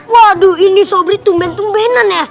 waduh ini sobri tumben tumbenan ya